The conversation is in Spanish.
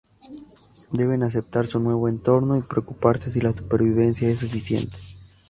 Deben aceptar su nuevo entorno y preguntarse si la supervivencia es suficiente.